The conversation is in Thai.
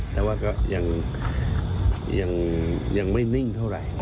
แต่ว่าก็ยังไม่นิ่งเท่าไหร่